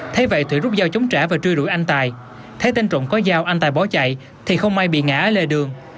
thế vậy thủy rút dao chống trả và trui rủi anh tài thấy tên trụng có dao anh tài bó chạy thì không may bị ngã ở lề đường